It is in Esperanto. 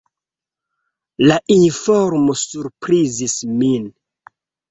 La informo surprizis min.